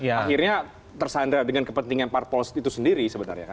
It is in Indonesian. akhirnya tersandar dengan kepentingan partpol itu sendiri sebenarnya kan